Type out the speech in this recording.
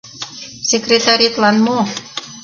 Секретаретлан мо?